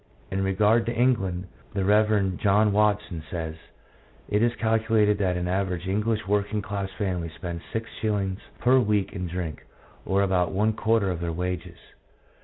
In regard to England, the Rev. John Watson says, "It is calculated that an average English working class family spends six shillings per week in drink, or about one quarter of their wages."